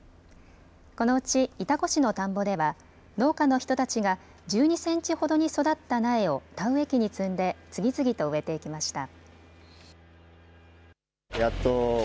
このうち潮来市の田んぼでは農家の人たちが１２センチほどに育った苗を田植え機に積んで次々と植えていきました。